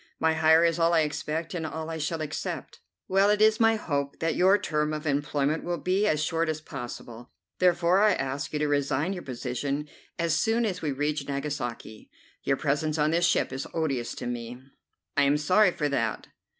My hire is all I expect, and all I shall accept." "Well, it is my hope that your term of employment will be as short as possible; therefore I ask you to resign your position as soon as we reach Nagasaki. Your presence on this ship is odious to me." "I am sorry for that."